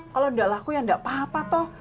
kalau tidak laku ya nggak apa apa toh